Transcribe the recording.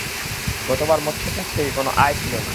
গতবার মৎস্য চাষ থেকে কোনো আয় ছিল না।